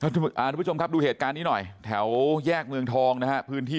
ทุกผู้ชมครับดูเหตุการณ์นี้หน่อยแถวแยกเมืองทองนะฮะพื้นที่